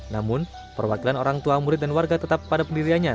namun perwakilan orang tua murid dan warga tetap pada pendiriannya